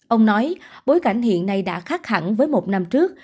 ông nói bối cảnh hiện nay đã khác hẳn với một năm trước